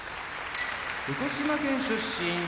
福島県出身